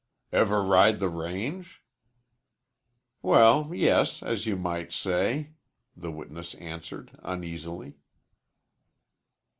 "Ever ride the range?" "Well, yes, as you might say," the witness answered uneasily.